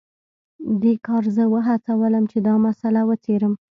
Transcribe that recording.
دې کار زه وهڅولم چې دا مسله وڅیړم